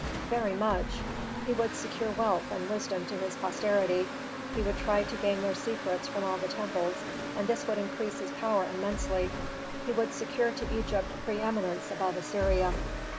Very much. He would secure wealth and wisdom to his posterity. He would try to gain their secrets from all the temples and this would increase his power immensely; he would secure to Egypt preëminence above Assyria.